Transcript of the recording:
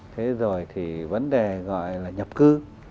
thế rồi thì vấn đề gọi là nhập thông